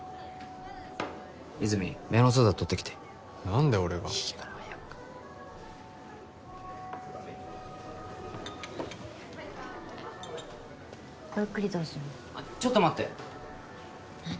和泉メロンソーダ取ってきて何で俺がいいから早くごゆっくりどうぞあっちょっと待って何？